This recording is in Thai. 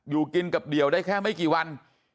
อยู่กินกับเดี่ยวได้แค่ไม่กี่วัน